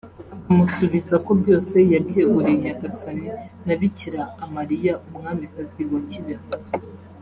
akamusubiza ko byose yabyeguriye Nyagasani na Bikira amariya umwamikazi wa Kibeho